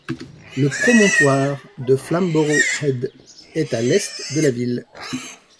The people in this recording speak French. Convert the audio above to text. Le promontoire de Flamborough Head est à l'est de la ville.